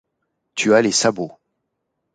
Tu as les sabots.